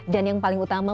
dan yang paling utama